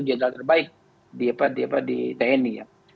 itu general terbaik di tni ya